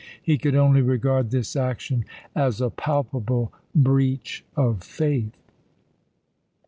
He could only regard this action as a palpable breach of faith.